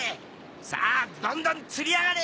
さあどんどん釣りやがれ！